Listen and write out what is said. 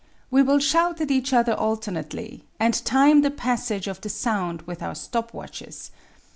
We will shout at each other alternately and time the passage of the sound with our stop watches.